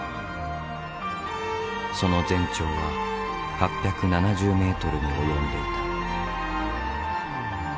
その全長は８７０ｍに及んでいた。